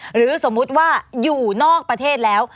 หรือสมมุติว่าอยู่นอกประเทศแล้ว